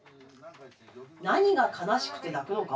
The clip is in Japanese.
「何が悲しくて泣くのか」。